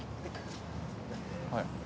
はい。